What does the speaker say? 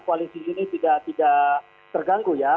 koalisi ini tidak terganggu ya